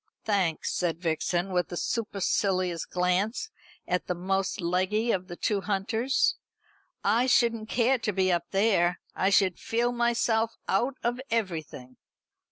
"Thanks," said Vixen, with a supercilious glance at the most leggy of the two hunters, "I shouldn't care to be up there. I should feel myself out of everything."